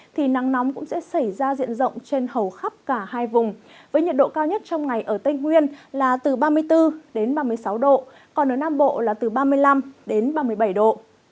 thì nắng nóng cũng sẽ xảy ra diện rộng trên hầu khắp cả hai vùng với nhiệt độ cao nhất trong ngày ở tây nguyên là từ ba mươi bốn đến ba mươi sáu độ còn ở nam bộ là từ ba mươi năm đến ba mươi bảy độ